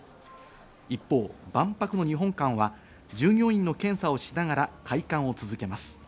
一方、万博の日本館は従業員の検査をしながら開館を続けます。